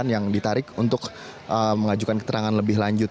yang ditarik untuk mengajukan keterangan lebih lanjut